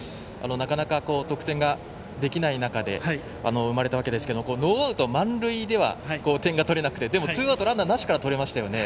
なかなか得点ができない中で生まれたわけですけれどもノーアウト満塁では点が取れなくてでもツーアウトランナーなしから取れましたよね。